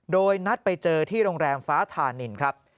โดยนัดไปเจอที่โรงแรมฟ้าธานินครับ